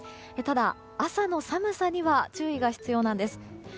ただ、朝の寒さには注意が必要なんです。